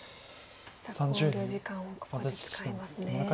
さあ考慮時間をここで使いますね。